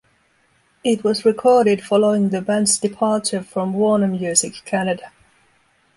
It was recorded following the band's departure from Warner Music Canada.